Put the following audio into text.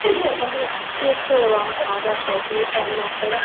第四王朝的首都在孟菲斯。